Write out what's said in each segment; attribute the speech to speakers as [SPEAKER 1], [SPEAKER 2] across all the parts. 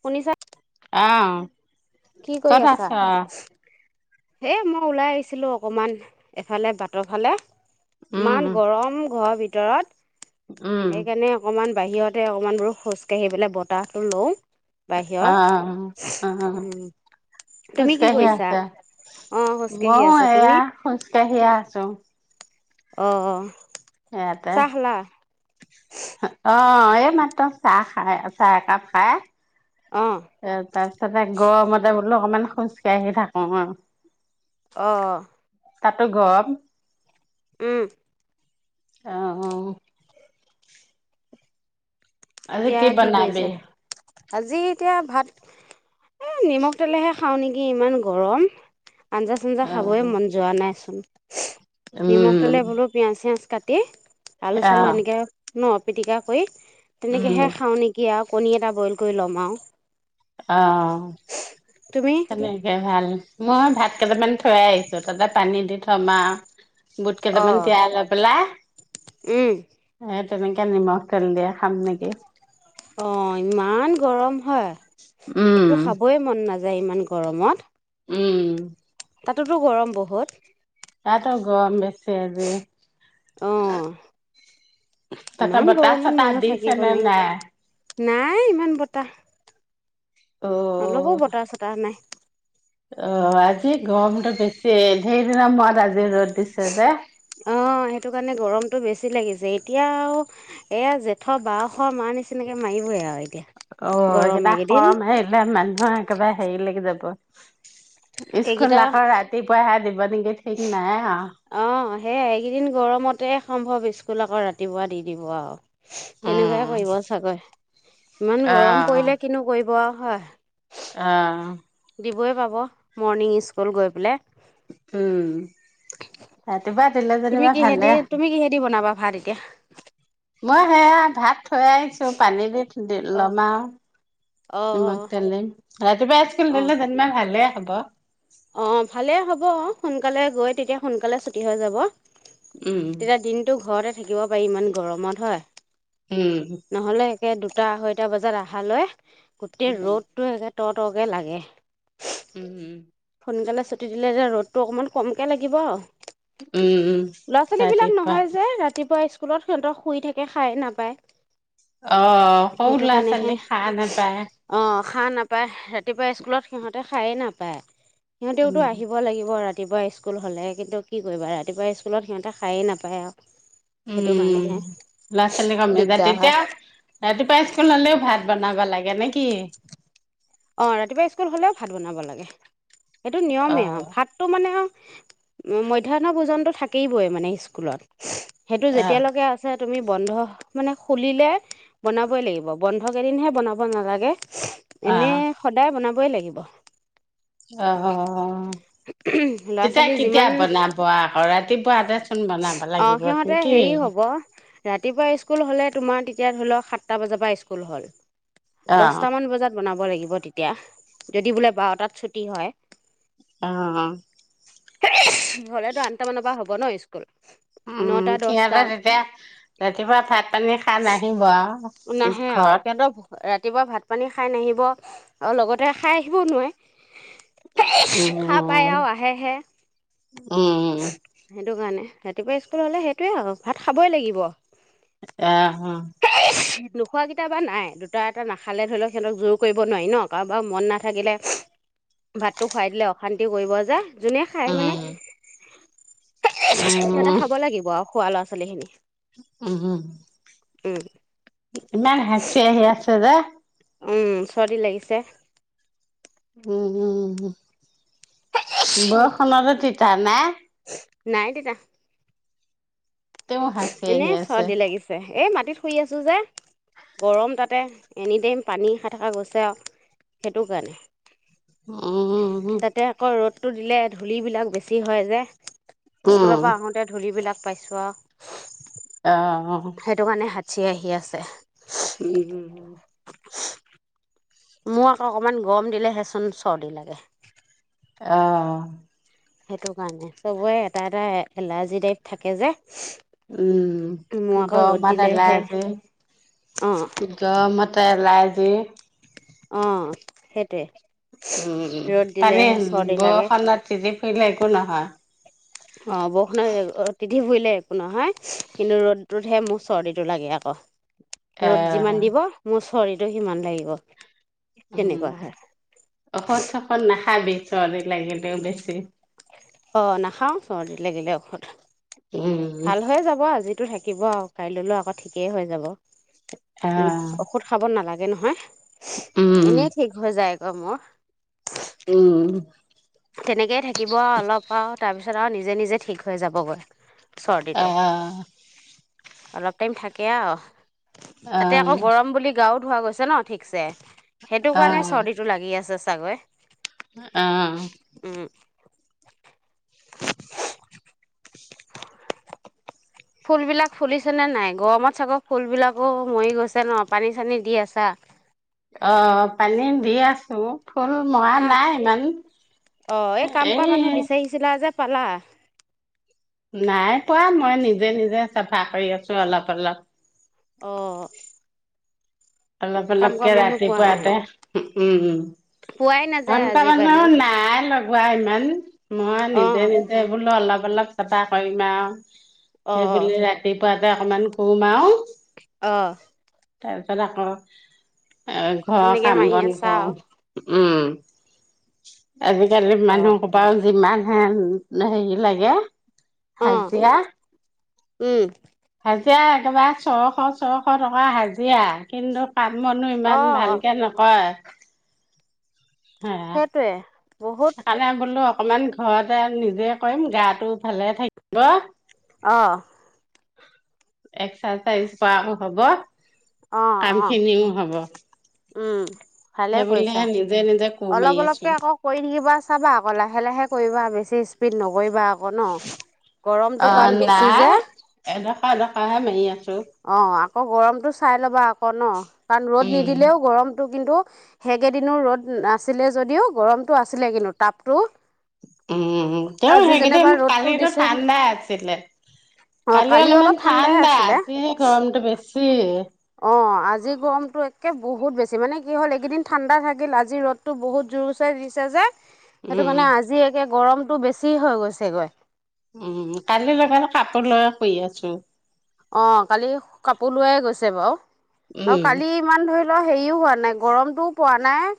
[SPEAKER 1] শুনিছা-
[SPEAKER 2] অ কত আছ?
[SPEAKER 1] হেই মই ওলাই আহিছিলোঁ অকণমান এফালে বাটৰ ফালে। ইমান
[SPEAKER 2] উম,
[SPEAKER 1] গৰম ঘৰা ভিতৰত। ভিতৰত-
[SPEAKER 2] উম,
[SPEAKER 1] সেইকাৰণে অকমান- বাহিৰতে অকণমানবোলো খোজকাঢ়ি পেলাই বতাহটো লওঁ- বাহিৰত
[SPEAKER 2] অ-অ-
[SPEAKER 1] উম
[SPEAKER 2] খোজ
[SPEAKER 1] তুমি কি
[SPEAKER 2] কাঢ়ি
[SPEAKER 1] কৰিছা
[SPEAKER 2] আছে।
[SPEAKER 1] অ খোজকাঢ়ি
[SPEAKER 2] মই
[SPEAKER 1] আছো তুমি
[SPEAKER 2] এইয়া খোজ- কাঢ়ি আছো।
[SPEAKER 1] অ
[SPEAKER 2] সেয়াতে
[SPEAKER 1] চাহ খালা
[SPEAKER 2] অ এই মাত্ৰ চাহ খাই চাহ একাপ খাই -
[SPEAKER 1] অ-
[SPEAKER 2] তাৰ পিছতে গৰমতে বোলো অকমান খোজকাঢ়ি থাকো হয়-
[SPEAKER 1] অ
[SPEAKER 2] তাতো গৰম।
[SPEAKER 1] উম
[SPEAKER 2] আ আজি
[SPEAKER 1] এতিয়া কি
[SPEAKER 2] বনাবি?
[SPEAKER 1] কৰিছ? আজি এতিয়া ভাত এ নিমখ তেলেহে খাওঁ নেকি! ইমান গৰম। আঞ্জা চাঞ্জা খাবই
[SPEAKER 2] অ',
[SPEAKER 1] মন যোৱা নাই। নিমখ
[SPEAKER 2] উম,
[SPEAKER 1] তেলে বোলো পিয়াঁজ চিয়াজ কাটি- তে [unintelligible] আলো চালো
[SPEAKER 2] অ',
[SPEAKER 1] এনেকে- ন? পিটিকা কৰি
[SPEAKER 2] উম,
[SPEAKER 1] তেনেকেহে খাওঁ নেকি আৰু- কণী এটা বইল কৰি ল'ম আৰু।
[SPEAKER 2] অ
[SPEAKER 1] তুমি
[SPEAKER 2] তেনেকে ভাল - মই ভাত কেইটামান থৈ আহিছো তাতে পানী দি থম আউ। বুট
[SPEAKER 1] অ
[SPEAKER 2] কেইটামান তিয়াই লৈ পেলাই
[SPEAKER 1] উম
[SPEAKER 2] তেনেকে নিমখ তেল দিয়ে খাম নেকি?
[SPEAKER 1] অ ইমান গৰম হয় একো
[SPEAKER 2] উম।
[SPEAKER 1] খাবই মন নাযায় যায় ইমান গৰমত
[SPEAKER 2] উম
[SPEAKER 1] তাতোতো গৰম বহুত,
[SPEAKER 2] তাতো গৰম বেছি আজি।
[SPEAKER 1] অ
[SPEAKER 2] তাতো
[SPEAKER 1] ইমান
[SPEAKER 2] বতা
[SPEAKER 1] গৰমত
[SPEAKER 2] ছটা
[SPEAKER 1] মানুহ থাকিব
[SPEAKER 2] দিছেনে
[SPEAKER 1] নোৱাৰি
[SPEAKER 2] নাই?
[SPEAKER 1] নাই ইমান বতাহ অ ল'ব বতাহ চতাহ নাই
[SPEAKER 2] অ আজি গৰমতো বেছি সেইদিনা মৰত আজি ৰ'দ দিছে যে
[SPEAKER 1] অ সেইটো কাৰণে গৰমতটো বেছি লাগিছে এতিয়া আৰু এয়া জেঠৰ বসৰ মাৰ নিচিনাকে মাৰিবইে আৰু এতিয়া
[SPEAKER 2] অ
[SPEAKER 1] গৰম
[SPEAKER 2] এইকেইটা
[SPEAKER 1] এইকেইদিন
[SPEAKER 2] খৰম আহিলে মানুহৰ একেবাৰে হেৰিলৈকে যাব স্কুল
[SPEAKER 1] এইকেইটা
[SPEAKER 2] আকৌ ৰাতি পুৱাই হে দিব বৰদিং
[SPEAKER 1] অ সেইয়াই এইকেইদিন গৰমতে সম্ভৱ স্কুল আকৌ ৰাতিপুৱা দি দিব আৰু
[SPEAKER 2] উম
[SPEAKER 1] তেনেকুৱাই কৰিব চাগৈ, ইমান
[SPEAKER 2] অ
[SPEAKER 1] গৰম পৰিলে কিনো কৰিব আৰু। হয়।
[SPEAKER 2] অহ
[SPEAKER 1] দিবই পাব মৰৰ্ণিং স্কুল গৈ পেলাই
[SPEAKER 2] উম ৰাতিপুৱা দিলে
[SPEAKER 1] তুমি
[SPEAKER 2] যেনিবা
[SPEAKER 1] কিহেদি
[SPEAKER 2] ভালে আহ
[SPEAKER 1] তুমি কিহেদি বনাবা ভাত এতিয়া
[SPEAKER 2] মই সেয়া ভাত থৈ আহিছো পানী দি
[SPEAKER 1] অ',
[SPEAKER 2] ল'মা নিমাক
[SPEAKER 1] অ',
[SPEAKER 2] তোললে ৰাতিপুৱা স্কুল
[SPEAKER 1] অ',
[SPEAKER 2] দিলে যেনিবা ভালে হব।
[SPEAKER 1] অ ভালে হ'ব অ। সোনকালে গৈ তেতিয়া সোনকালে ছুটি হৈ যাব
[SPEAKER 2] উম
[SPEAKER 1] তেতিয়া দিনতটো ঘৰ থাকিব পাৰি ইমান গৰমত হয়
[SPEAKER 2] উম
[SPEAKER 1] তাকে দুটা আঢ়ৈটা বজাত অহালৈ গোটেই
[SPEAKER 2] উম
[SPEAKER 1] ৰ'দতো এগাত ত তটকে লাগে
[SPEAKER 2] উম উম
[SPEAKER 1] সোনকালে ছুটি দিলে যে ৰ'দটো অকণমান কমকৈ লাগিব অ।
[SPEAKER 2] উম উম
[SPEAKER 1] লৰা ছোৱালী বিলাক
[SPEAKER 2] ৰাতিপুৱা
[SPEAKER 1] নহয় যে ৰাতিপুৱা স্কুল স্কুলত সিহঁতে শুই থাকে সাৰে নাপায়।
[SPEAKER 2] অ', সৰু
[SPEAKER 1] সেইটো
[SPEAKER 2] লৰা-ছোৱালী শাৰ নাপায়।
[SPEAKER 1] শাৰ নাপায়, ৰাতিপুৱা স্কুলত সিহঁতে শাৰে নাপায়। সিহঁতেওতো
[SPEAKER 2] উম
[SPEAKER 1] আহিব লাগিব ৰাতি [inaudible] ৰাতিপুৱা স্কুল হ'লে কি কৰিবা, ৰাতিপুৱা স্কুলত সিহঁতে খায়েই নাপায় আৰু। সেইটো
[SPEAKER 2] উম
[SPEAKER 1] কাৰণেহে
[SPEAKER 2] ল'ৰা ছোৱালী কম যে
[SPEAKER 1] দিগদাৰ
[SPEAKER 2] তেতিয়া
[SPEAKER 1] হয়
[SPEAKER 2] ৰাতিপুৱা স্কুল হলেও ভা। বনাব লাগে নে কি?
[SPEAKER 1] অ ৰাতিপুৱা স্কুল হলেও ভাত বনাব লাগে সেইটো
[SPEAKER 2] অ
[SPEAKER 1] নিয়মেই আৰু ভাতটো মানে আৰু মধ্যাহ্ন ভোজনটো থাকিবই মানে স্কুলত। সেইটো
[SPEAKER 2] অ
[SPEAKER 1] যেতিয়ালৈকে আছে তুমি বন্ধ মানে খুলিলে বনাবই লাগিব, বন্ধ কেইদিনহে বনাব নালাগে। এনে
[SPEAKER 2] অ
[SPEAKER 1] সদায় বনাব [inaudible] লাগিব।
[SPEAKER 2] অ', অ', অ।
[SPEAKER 1] ল'ৰা
[SPEAKER 2] তেতিয়া
[SPEAKER 1] ছোৱালী
[SPEAKER 2] কেতিয়া
[SPEAKER 1] যিমান
[SPEAKER 2] বনাব আক ৰাতিপুৱা আদা বনাব
[SPEAKER 1] অ
[SPEAKER 2] লাগিব সন্ত
[SPEAKER 1] সিহঁতে
[SPEAKER 2] সেইটোৱে।
[SPEAKER 1] হেৰি হ'ব ৰাতিপুৱা স্কুল হ'লে তোমাৰ তেতিয়া ধৰি লোৱা সাতটা বজাৰ পৰা স্কুল হ'ল।
[SPEAKER 2] অ
[SPEAKER 1] দহটামান বজাত বনাব লাগিব। তেতিয়া, যদি বোলে বাৰটাত ছুটী হয়।
[SPEAKER 2] অ
[SPEAKER 1] [unintelligible] ব ন [inaudible]
[SPEAKER 2] উম
[SPEAKER 1] নটা দহটা
[SPEAKER 2] সিহঁতে তেতিয়া ৰাতিপুৱা ভাত পানী খাই নাহিব আৰু।
[SPEAKER 1] নাহে আৰু,
[SPEAKER 2] ঘৰত
[SPEAKER 1] সিহঁতৰ ৰাতিপুৱা ভাত পানী খাই নাহিব আৰু লগতে খাই আহিবও নোৱাৰে। [unintelligible]
[SPEAKER 2] উম
[SPEAKER 1] সাৰপাই আৰু আহেহে,
[SPEAKER 2] উম
[SPEAKER 1] সেইটো কাৰণে। ৰাতিপুৱা স্কুললে সেইটোৱে আৰু, ভাত খাবই লাগিব।
[SPEAKER 2] আহ অ।
[SPEAKER 1] নোখোৱাকেইটা বা নাই দুটা এটা নাখালে ধৰি ল‌ওক সিহঁতক জোৰ কৰিব নোৱাৰি ন কাৰোবাৰ মন নাথাকিলে ভাতটো খুৱাই দিলে অশান্তিও কৰিব যে। যোনে খায় মানে,
[SPEAKER 2] উম
[SPEAKER 1] সিহঁতে [unintelligible] খাব লাগিব আৰু খুৱা লৰা চুলিখিনি
[SPEAKER 2] উহু।
[SPEAKER 1] উম।
[SPEAKER 2] ইমান হাচি আহি আছে। [unintelligible]
[SPEAKER 1] উম, চৰ্দি লাগিছে।
[SPEAKER 2] উম, উম, উম। বৰষুণতে তিতা নে?
[SPEAKER 1] নাই তিতা।
[SPEAKER 2] তেওঁ হাঁচি আহি
[SPEAKER 1] এনেই
[SPEAKER 2] আছে
[SPEAKER 1] চৰ্দি লাগিছে। ‌ এই মাত পাটিত শুই আছো যে। গৰম তাতে, এনিটাইম পানী খাই থকা গৈছে আৰু সেইটো কাৰণে।
[SPEAKER 2] উম, হম, হম।
[SPEAKER 1] টো দিলে ধূল বিলাক বেছি হয় যে। স্কুলৰ
[SPEAKER 2] উম
[SPEAKER 1] পৰা আহোতে ধুলি বিলাক পাইছোঁ আৰু।
[SPEAKER 2] অহ, অহ, অহ।
[SPEAKER 1] চি আহি আছে।
[SPEAKER 2] উম, হম, হম।
[SPEAKER 1] [unintelligible] মোৰ আকৌ অকমান গৰম দিলেহেচোন চৰ্দি লাগে।
[SPEAKER 2] অ'।
[SPEAKER 1] সেইটো কাৰণে। চবৰে এটা এটা এলাৰ্জি টাইপ থাকে যে।
[SPEAKER 2] উম,
[SPEAKER 1] মোৰ আকৌ ৰ'দ
[SPEAKER 2] গৰমাত
[SPEAKER 1] দিলেহে
[SPEAKER 2] এলাৰ্জি।
[SPEAKER 1] অঁ
[SPEAKER 2] গৰমতে এলাৰ্জি
[SPEAKER 1] অহ, সেইটোৱে।
[SPEAKER 2] উম,
[SPEAKER 1] ৰ'দ
[SPEAKER 2] পানী
[SPEAKER 1] দিলেহে চৰ্দি লাগে
[SPEAKER 2] [unintelligible] সিবিলাক একো নহয়।
[SPEAKER 1] অহ, বৰষূণে আতি তু দিলে একো নহয়। কিন্তু, ৰ'দটোতহে মোৰ চৰ্দিটো লাগে আকৌ। ৰ'দ যিমান
[SPEAKER 2] অ',
[SPEAKER 1] দিব মোৰ চ শৰীৰটো সিমান লাগিব।
[SPEAKER 2] উম,
[SPEAKER 1] তেনেকুৱা হয়
[SPEAKER 2] ঔষধ-চৌখদ নাখ খাবি চৰ্দি লাগিলেও বেছি।
[SPEAKER 1] অহ, নাখাওঁ চৰ্দিত লাগিলে ঔষধ।
[SPEAKER 2] উম,
[SPEAKER 1] ভাল হৈ যাব আজি তু থাকিব আৰু কাইলৈলো আকৌ ঠিকেই হৈ যাব। উম,
[SPEAKER 2] অ',
[SPEAKER 1] ঔষধ খাব নালাগে। গে নহয় [unintelligible]
[SPEAKER 2] উম,
[SPEAKER 1] এনেই ঠিক হৈ যায়। অ মোৰ
[SPEAKER 2] উম
[SPEAKER 1] তেনেকেই থাকিব আ অলপ আ তাৰ পিছত আ নিজে নিজে ঠিক হৈ যাবগৈ। চৰ্দিটো
[SPEAKER 2] আহ
[SPEAKER 1] অলপ টাইম থাকে আৰু তাতে আকৌ
[SPEAKER 2] অ',
[SPEAKER 1] গৰম বুলি গাউত হৈ গৈছে ন ঠিকছে হেটো কাৰণে
[SPEAKER 2] অ',
[SPEAKER 1] চৰ্দিটো লাগি আছে। চাগৈ
[SPEAKER 2] [unintelligible] অ
[SPEAKER 1] উম [unintelligible]
[SPEAKER 2] [unintelligible]
[SPEAKER 1] ফুলবিলাক ফুলিছেনেে নাই গৰমত চাগৈ ফুলবিলাকো মৰি গৈছে ন পানী চানী দি আছা।
[SPEAKER 2] অ, পানী দি আছোঁ। ফুলৰ মৰা
[SPEAKER 1] কাম
[SPEAKER 2] নাই ইমান
[SPEAKER 1] অ এই কাম কৰা মানুহ
[SPEAKER 2] এ।
[SPEAKER 1] বিচাৰিছিলা যে পালা।
[SPEAKER 2] নাই পোৱা মই নিজে-নিজে চাফা কৰি আছো অলপ- অলপ।
[SPEAKER 1] অঁ।
[SPEAKER 2] অলপ-অলপকে
[SPEAKER 1] পোৱা নাই
[SPEAKER 2] ৰাতিপুৱাতে। ওউম
[SPEAKER 1] পোৱাই নাযায়
[SPEAKER 2] সনেক এঘন্টা মানু
[SPEAKER 1] আজিকালি
[SPEAKER 2] নাই লগোৱা ইমান। মই
[SPEAKER 1] অ
[SPEAKER 2] নিজে-নিজে বোলো অলপ। অলপ চাফা কৰিম আও
[SPEAKER 1] অ
[SPEAKER 2] এইবুলি ৰাতিপুৱা। এই অকণমান সুম আৰু।
[SPEAKER 1] অ'।
[SPEAKER 2] [unintelligible] এলাহ কউ। এ ঘৰ
[SPEAKER 1] তেনেকে মাৰি
[SPEAKER 2] কাম-বন
[SPEAKER 1] আছা
[SPEAKER 2] কউ
[SPEAKER 1] আৰু
[SPEAKER 2] উম আজিকালি
[SPEAKER 1] অ
[SPEAKER 2] মানুহ সোপা যিমান হে হেৰি লাগে
[SPEAKER 1] অ
[SPEAKER 2] হাজিয়া
[SPEAKER 1] উম
[SPEAKER 2] এতিয়া একেবাৰ ছ'শ ছ'শ টকা হাজিৰা। কিন্দব। কাম- বনু
[SPEAKER 1] অ
[SPEAKER 2] ইমান
[SPEAKER 1] অ
[SPEAKER 2] ভালেকে নকৈ।
[SPEAKER 1] সেইটোৱে বহুত
[SPEAKER 2] খালে বোলো। অকমান ঘৰতে নিজে কৰিম গাটো ভালে থাকিব
[SPEAKER 1] অ
[SPEAKER 2] এক্সাৰচাইজ কৰাওঁ হ'ব,
[SPEAKER 1] অ অ
[SPEAKER 2] কাম খিনিও হ'ব।
[SPEAKER 1] উম। ভালে কৰিছা,
[SPEAKER 2] সেইবুলিহে নিজে নিজে কোৰ মাৰি
[SPEAKER 1] অলপ
[SPEAKER 2] আছো
[SPEAKER 1] অলপকে আকৌ কৰি থাকিবা, চাবা আকৌ লাহে লাহে কৰিবা। বেছি স্পীড নগৈ বা
[SPEAKER 2] অ, '
[SPEAKER 1] যে
[SPEAKER 2] নাই এডোখৰ এডোখৰহে মাৰি আছো।
[SPEAKER 1] অ, ' আকৌ গৰমতটো চাই ল'বা ক ন', কাৰণ ৰ'দ
[SPEAKER 2] উম
[SPEAKER 1] নিদিলেও গৰম কিন্তু সেইকেইদিনো ৰ'দ নাছিলে যদিও গৰমতটো আছিলে কিন্তু তাপটো
[SPEAKER 2] উম, তেওঁ
[SPEAKER 1] আজি
[SPEAKER 2] সেইকেইদিন,
[SPEAKER 1] যেনিবা ৰ'দটো
[SPEAKER 2] কালিতো
[SPEAKER 1] দিছে
[SPEAKER 2] ঠাণ্ডা আছিলে
[SPEAKER 1] অঁ
[SPEAKER 2] কালি অলপমান
[SPEAKER 1] অলপ ঠাণ্ডাই
[SPEAKER 2] ঠাণ্ডা
[SPEAKER 1] আছিলে
[SPEAKER 2] গৰমটো বেছি
[SPEAKER 1] মতো একে বহুত বেছি, মানে কি হ'ল এইকেইদিন ঠাণ্ডা থাকিল আজি ৰ'দটো বহুত জোৰছে দিছে যে সেইটো
[SPEAKER 2] উম
[SPEAKER 1] কাৰনে আজি একে গৰম টো বেছি হৈ গৈছেগৈ।
[SPEAKER 2] উম, কালি লগালে কাপোৰ লৈ শুই আছো।
[SPEAKER 1] অ কালি কাপোৰ লোৱাই গৈছে বাৰু, আৰু
[SPEAKER 2] উম
[SPEAKER 1] কালি ইমান ধৰি অলপ হেৰিও হোৱা নাই, গৰমটোও পোৱা নাই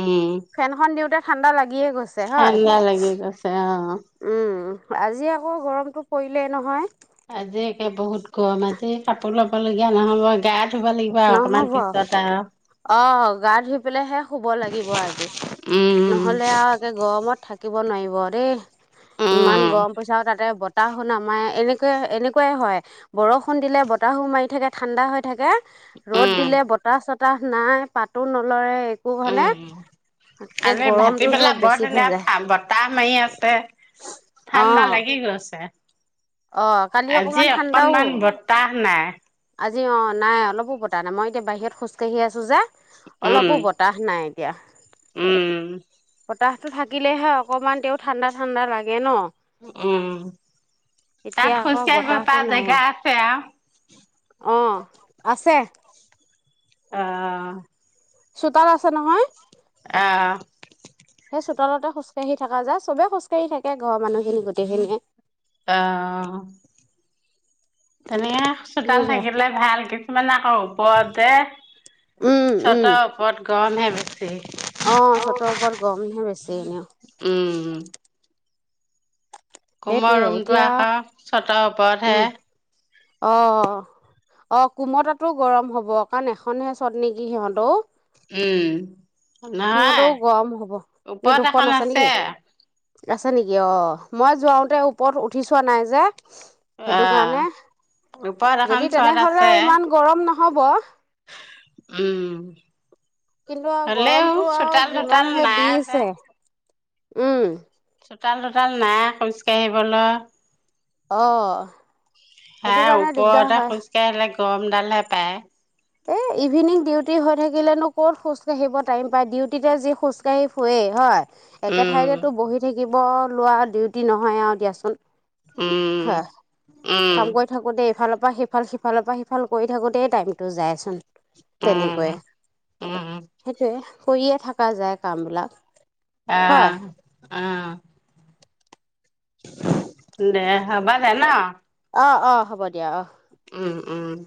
[SPEAKER 2] উম।
[SPEAKER 1] ফেনখন দিওঁতে ঠাণ্ডা লাগে।
[SPEAKER 2] ঠাণ্ডা লাগি গৈছে। অ
[SPEAKER 1] উম। আজি আকৌ গৰমটো পৰিলেই নহয়
[SPEAKER 2] আজি একে বহুত গৰম আজি, কাপোৰ ল'ব ল'ব লগিয়া নহয় বাৰু, গা ধুব লাগি ক অকমান
[SPEAKER 1] নহ'ব
[SPEAKER 2] পিছত আহ
[SPEAKER 1] অ' গা ধুই পেলাইহে শুব লাগিব আজি।
[SPEAKER 2] উম,
[SPEAKER 1] নহলে আৰু একে গৰমত থাকি আকিব নোৱাৰিব দে' ইমান
[SPEAKER 2] উম,
[SPEAKER 1] গৰম পৰিছে আৰু তাতে বতা বতাহাহুণ আমাৰ এনেকুৱা এনেকুৱাই হয় বৰষুণ দিলে বতাহো মাৰি থাকে ঠাণ্ডা হৈ থাকে ৰ'দ
[SPEAKER 2] উম,
[SPEAKER 1] দিলে বতাহ চত তাহ নাই পাতো নলৰে মানে
[SPEAKER 2] উম,
[SPEAKER 1] একে
[SPEAKER 2] আজি
[SPEAKER 1] গৰমটোহে
[SPEAKER 2] ভাটিবেলা বৰ
[SPEAKER 1] বেছি হৈ
[SPEAKER 2] ধুনীয়া আ
[SPEAKER 1] যায়
[SPEAKER 2] বতাহ মাৰি আছে৷ ঠাণ্ডা
[SPEAKER 1] অ
[SPEAKER 2] লাগি গৈছে৷
[SPEAKER 1] অ কালি
[SPEAKER 2] আজি
[SPEAKER 1] অকমান ঠাণ্ডাও
[SPEAKER 2] অকণমান বতাহ নাই৷
[SPEAKER 1] আজি অ নাই অলপো ব [unintelligible] মই এতিয়া বাহিৰত খোজকাঢ়ি আছ যে
[SPEAKER 2] উম,
[SPEAKER 1] অলপো বতাহ নাই এতিয়া৷
[SPEAKER 2] উম,
[SPEAKER 1] বতাহ টো থাকিলেহে অকমান তেও ঠাণ্ডা ঠাণ্ডা লাগে ন৷
[SPEAKER 2] উম তাত
[SPEAKER 1] এতিয়া আকৌ
[SPEAKER 2] খোজকাঢ়িব পা
[SPEAKER 1] বতাহটো নাই
[SPEAKER 2] জেগা আছে আৰু৷
[SPEAKER 1] অ আছে
[SPEAKER 2] অহ
[SPEAKER 1] চোতাল আছে নহয়
[SPEAKER 2] আহ
[SPEAKER 1] সেই চোতালতে খোজকাঢি থাকা যায়, চবে খোজকাঢ়ি থাকে ঘৰৰ মানুহখিনি গোটেইখিনিয়ে৷
[SPEAKER 2] আহ এনেকে চোতাল
[SPEAKER 1] সেনেকে
[SPEAKER 2] থাকিলে ভাল কিছুমান আকৌ ওপৰত
[SPEAKER 1] উম
[SPEAKER 2] যে
[SPEAKER 1] উম
[SPEAKER 2] চাতৰ ওপৰত গৰম হে
[SPEAKER 1] অ
[SPEAKER 2] বেছি৷
[SPEAKER 1] চতৰ
[SPEAKER 2] উম
[SPEAKER 1] ওপৰত গৰমহে বেছি এনেও
[SPEAKER 2] উম কুমৰ
[SPEAKER 1] সেইটোয়ে
[SPEAKER 2] ৰুমটো
[SPEAKER 1] এতিয়া
[SPEAKER 2] আকৌ চতৰ
[SPEAKER 1] উম
[SPEAKER 2] ওপৰতহে৷
[SPEAKER 1] অ অ কুমতাটো গৰম হব কাৰণ এখনহে চত নেকি সিহঁতও
[SPEAKER 2] উম নই,
[SPEAKER 1] সিহঁতৰো গৰম হ'ব এই
[SPEAKER 2] ওপৰত
[SPEAKER 1] দুখন
[SPEAKER 2] এখন
[SPEAKER 1] নেকি
[SPEAKER 2] আছে৷
[SPEAKER 1] আছে নেকি? অঁ, মই যোৱাওঁতে ওপৰত উঠি চোৱা নাই যে। সেইটো
[SPEAKER 2] অ',
[SPEAKER 1] কাৰণে,
[SPEAKER 2] ওপৰত এখন
[SPEAKER 1] যদি
[SPEAKER 2] চট
[SPEAKER 1] তেনেহলে
[SPEAKER 2] আছে
[SPEAKER 1] ইমান গৰম নহ হ'ব
[SPEAKER 2] উম হলেও
[SPEAKER 1] টো আৰু
[SPEAKER 2] চোতাল তোতাল
[SPEAKER 1] যিমানহে
[SPEAKER 2] নাই যে
[SPEAKER 1] দিছে উম
[SPEAKER 2] চোতাল-তোতাল নাই খোজকাঢ়িবলৈ৷
[SPEAKER 1] অ সেইটো
[SPEAKER 2] তাই
[SPEAKER 1] কাৰণে দিগদাৰ
[SPEAKER 2] ওপৰতে
[SPEAKER 1] হয়
[SPEAKER 2] খোজ কাঢ়ি লাগ গমডাল হে পায়
[SPEAKER 1] এ ইভিনিং ডিউটি হৈ থাকিলেনো ক'ত খোজ কাঢ়িব টাইম পায়, ডিউটিতে যি খোজ কাঢ়ি ফুৰেই। হয় একে
[SPEAKER 2] উম,
[SPEAKER 1] ঠাইতেতো বহি থাকিব লোৱা ডিউটি নহয় আও দিয়াচোন৷
[SPEAKER 2] উম,
[SPEAKER 1] হা
[SPEAKER 2] উম,
[SPEAKER 1] কাম কৰি থাকোতে এইফালৰ সিফাল সিফালৰ পৰা সিফাল কৰি থাকোঁতেই টাইম তো যাচোন।
[SPEAKER 2] উম,
[SPEAKER 1] তেনেকৈয়ে।
[SPEAKER 2] উম,
[SPEAKER 1] সেইটোৱে। কৰিয়ে থকা যায় কামবিলাক।
[SPEAKER 2] অ
[SPEAKER 1] হয়
[SPEAKER 2] অ। দে হ'বদে ন'?
[SPEAKER 1] অ', অ', হ'ব দিয়া অ'।
[SPEAKER 2] উম উম।